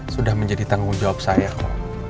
sudah menjadi tanggung jawab saya kok